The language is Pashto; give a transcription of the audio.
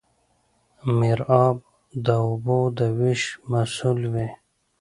میرآب د اوبو د ویش مسوول وي.